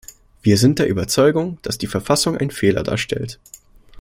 Wir sind der Überzeugung, dass die Verfassung einen Fehler darstellt.